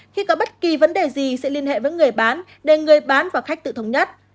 khi có bất kỳ vấn đề gì sẽ liên hệ với người bán để người bán và khách tự thống nhất